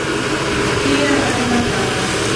کښېنه، غږ مه کوه.